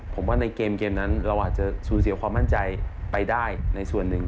ผมว่าในเกมนั้นเราอาจจะสูญเสียความมั่นใจไปได้ในส่วนหนึ่ง